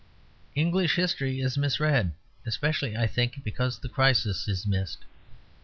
English history is misread especially, I think, because the crisis is missed.